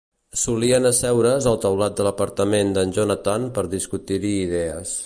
Solien asseure's al teulat de l'apartament d'en Jonathan per discutir-hi idees.